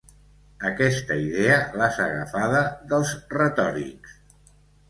Aquesta idea l'has agafada dels retòrics.